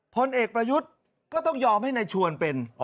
พลเอกประยุทธ์ก็ต้องยอมให้นายชวนเป็น